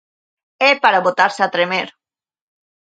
É para botarse a tremer.